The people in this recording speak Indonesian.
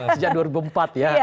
sejak dua ribu empat ya